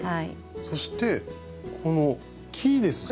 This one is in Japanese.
そしてこの木ですか？